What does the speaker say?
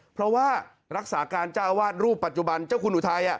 เพราะว่ารักษาการเจ้าอาวาสรูปปัจจุบันเจ้าคุณอุทัย